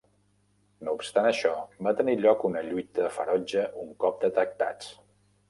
No obstant això, va tenir lloc una lluita ferotge un cop detectats.